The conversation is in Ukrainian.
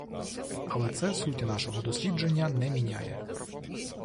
Але це суті нашого дослідження не міняє